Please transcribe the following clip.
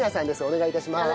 お願い致します。